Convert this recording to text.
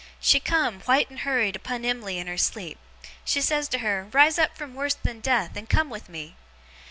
She come, white and hurried, upon Em'ly in her sleep. She says to her, "Rise up from worse than death, and come with me!"